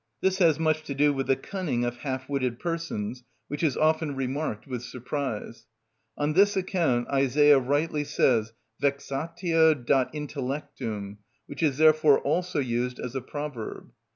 This has much to do with the cunning of half witted persons, which is often remarked with surprise. On this account Isaiah rightly says, vexatio dat intellectum, which is therefore also used as a proverb.